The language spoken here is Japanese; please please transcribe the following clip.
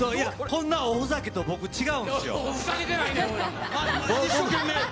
こんなおふざけと違うんですよ